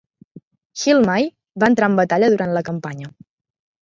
Hill mai va entrar en batalla durant la campanya.